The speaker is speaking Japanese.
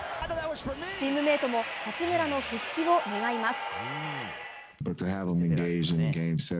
チームメートも八村の復帰を願います。